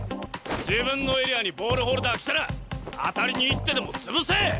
自分のエリアにボールホルダー来たら当たりに行ってでも潰せ！